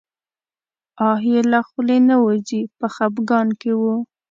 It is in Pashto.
آه یې له خولې نه وځي په خپګان کې و.